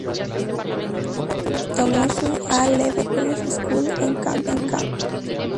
Tomó su "A-levels" en la "Perse School", en Cambridge.